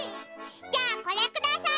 じゃあこれください。